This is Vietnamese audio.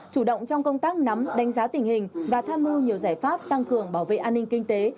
chủ động trong công tác nắm đánh giá tình hình và tham mưu nhiều giải pháp tăng cường bảo vệ an ninh kinh tế